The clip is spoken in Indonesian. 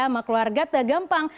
sama keluarga udah gampang